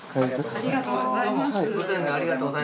ありがとうございます。